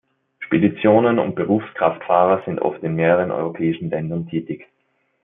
Speditionen und Berufskraftfahrer sind oft in mehreren europäischen Ländern tätig.